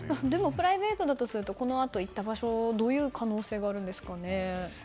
プライベートだとするとこのあと行った場所はどういう可能性があるんですかね。